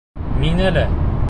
Миңәлә.